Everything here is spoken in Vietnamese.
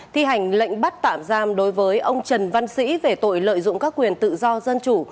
thi hành lệnh bắt tạm giam đối với ông trần văn sĩ về tội lợi dụng các quyền tự do dân chủ